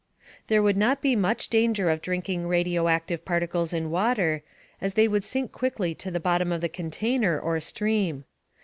There would not be much danger of drinking radioactive particles in water, as they would sink quickly to the bottom of the container or stream.